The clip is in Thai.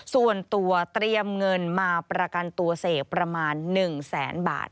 เตรียมเงินมาประกันตัวเสกประมาณ๑แสนบาท